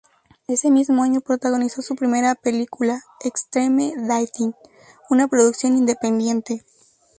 Ese mismo año protagonizó su primera película, "Extreme Dating", una producción independiente.